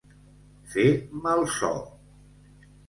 Fer mal so.